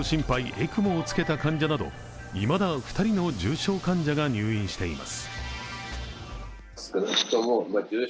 ＥＣＭＯをつけた患者などいまだ２人の重症患者が入院しています。